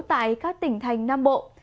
tại các tỉnh thành nam bộ